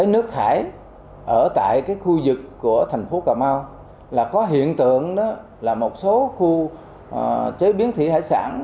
nước thải ở tại khu vực của thành phố cà mau là có hiện tượng là một số khu chế biến thủy hải sản